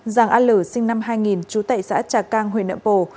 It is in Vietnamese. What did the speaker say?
giàng a lử sinh năm hai nghìn trú tại xã trà cang huyện nậm pồ